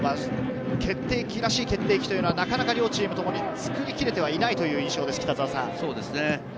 決定機らしい決定機はなかなか両チームともに作り切れていないという印象です。